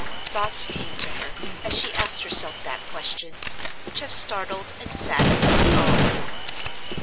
Thoughts came to her, as she asked herself that question, which have startled and saddened us all.